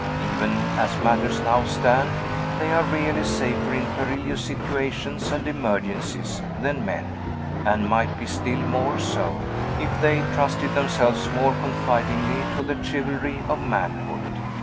Even as matters now stand, they are really safer in perilous situations and emergencies than men; and might be still more so, if they trusted themselves more confidingly to the chivalry of manhood.